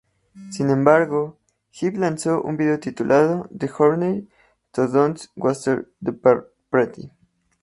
Sin embargo, Jive lanzo un video titulado "The Journey to Don't Waste the Pretty".